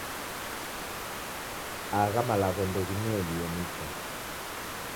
Agho malagho ndeginielie nicha.